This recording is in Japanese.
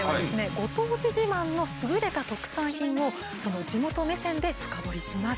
ご当地自慢のすぐれた特産品をその地元目線で深掘りします。